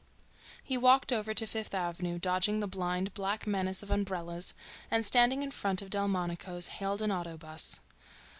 He walked over to Fifth Avenue, dodging the blind, black menace of umbrellas, and standing in front of Delmonico's hailed an auto bus.